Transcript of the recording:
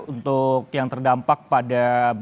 untuk yang terdampak pada